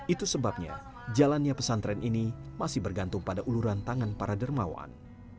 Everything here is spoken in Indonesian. itu sebabnya jalannya pesantren ini masih bergantung pada uluran tangan para dermawan